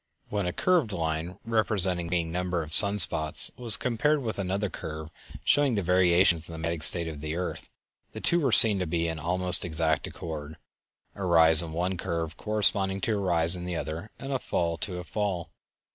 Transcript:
When a curved line representing the varying number of sun spots was compared with another curve showing the variations in the magnetic state of the earth the two were seen to be in almost exact accord, a rise in one curve corresponding to a rise in the other, and a fall to a fall.